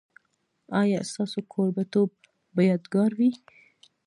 ایا ستاسو کوربه توب به یادګار وي؟